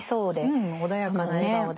うん穏やかな笑顔で。